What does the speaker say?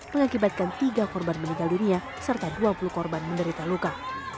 mengakibatkan tiga korban meninggal dunia serta dua puluh korban menderita luka